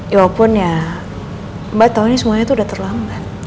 ya wapun ya mbak tau ini semuanya udah terlambat